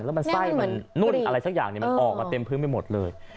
แล้วมันไส้มันนุ่นอะไรสักอย่างมันออกมาเต็มพื้นไปหมดเลย